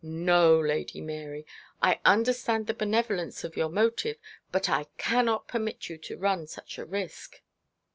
No, Lady Mary, I understand the benevolence of your motive, but I cannot permit you to run such a risk.'